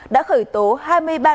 đã khởi tố hai mươi ba đối tượng